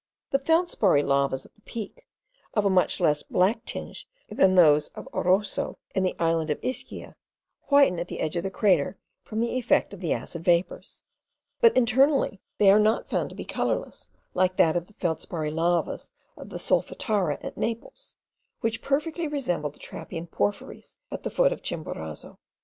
The feldsparry lavas of the Peak, of a much less black tinge than those of Arso in the island of Ischia, whiten at the edge of the crater from the effect of the acid vapours; but internally they are not found to be colourless like that of the feldsparry lavas of the Solfatara at Naples, which perfectly resemble the trappean porphyries at the foot of Chimborazo.